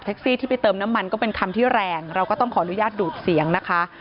ซี่ที่ไปเติมน้ำมันก็เป็นคำที่แรงเราก็ต้องขออนุญาตดูดเสียงนะคะ